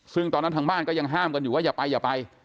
ซึ่งตอนนั้นทางบ้านก็ยังห้ามกันอยู่ว่าอย่าไปอย่าไป